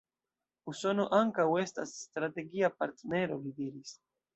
Usono ankaŭ estas strategia partnero, li diris.